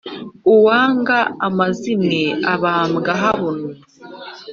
Uwanga amazimwe abandwa habona.